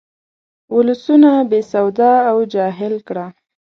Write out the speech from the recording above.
ولسونه بې سواده او جاهل کړه.